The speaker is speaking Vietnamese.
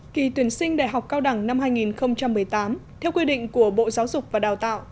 kỳ tuyển sinh đại học cao đẳng năm hai nghìn một mươi tám theo quy định của bộ giáo dục và đào tạo